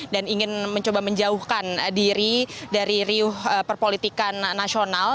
dan ingin mencoba menjauhkan diri dari riuh perpolitikan nasional